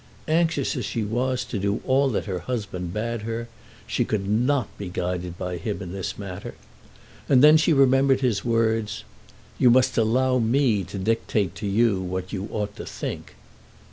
Anxious as she was to do all that her husband bade her, she could not be guided by him in this matter. And then she remembered his words: "You must allow me to dictate to you what you ought to think."